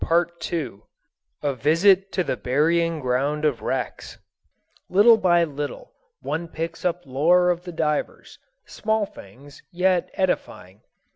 II A VISIT TO THE BURYING GROUND OF WRECKS LITTLE by little, one picks up lore of the divers small things, yet edifying.